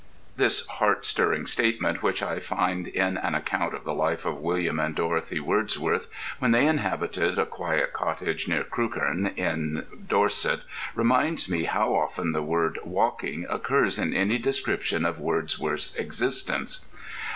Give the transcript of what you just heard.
This heart stirring statement, which I find in an account of the life of William and Dorothy Wordsworth when they inhabited a quiet cottage near Crewkerne in Dorset, reminds me how often the word "walking" occurs in any description of Wordsworth's existence.